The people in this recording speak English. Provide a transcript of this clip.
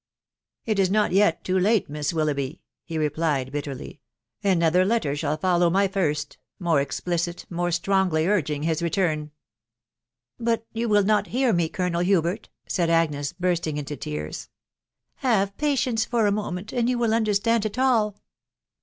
a It is not yet too late, Miss Willoughby,* he replied, bit terly ;" another letter shall follow my first •••• more explicit, more strongly urging his return." " But you will not hear me, Colonel Hubert," said Agnes, bursting into tears. " Have patience for a moment, and you will understand it all."